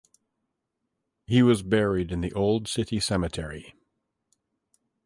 He was buried in the old city cemetery.